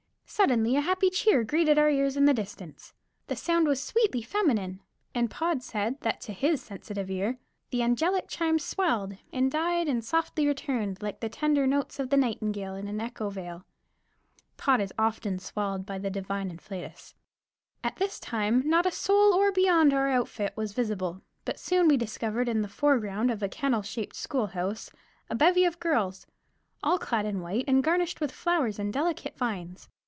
Suddenly a happy cheer greeted our ears in the distance. The sound was sweetly feminine, and Pod said that to his sensitive ear the angelic chimes swelled and died and softly returned, like the tender notes of the nightingale in an echo vale. (Pod is often swelled by the divine inflatus). At this time not a soul beyond our outfit was visible, but soon we discovered in the foreground of a kennel shaped schoolhouse a bevy of girls, all clad in white and garnished with flowers and delicate vines.